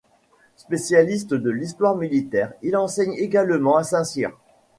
Spécialiste de l'histoire militaire, il enseigne également à Saint-Cyr.